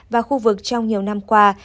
và khu vực trong nhiều năm qua